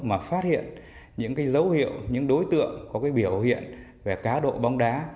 mà phát hiện những dấu hiệu những đối tượng có cái biểu hiện về cá độ bóng đá